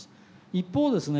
一方ですね